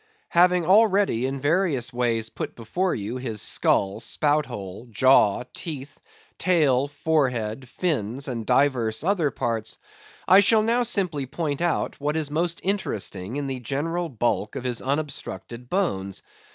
Having already in various ways put before you his skull, spout hole, jaw, teeth, tail, forehead, fins, and divers other parts, I shall now simply point out what is most interesting in the general bulk of his unobstructed bones.